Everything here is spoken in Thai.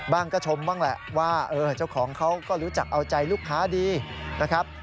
ก็ชมบ้างแหละว่าเจ้าของเขาก็รู้จักเอาใจลูกค้าดีนะครับ